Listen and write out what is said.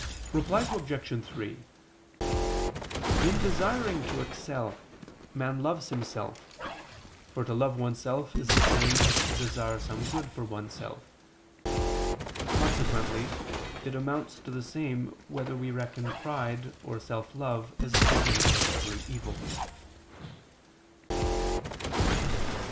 Reply Obj. 3: In desiring to excel, man loves himself, for to love oneself is the same as to desire some good for oneself. Consequently it amounts to the same whether we reckon pride or self love as the beginning of every evil.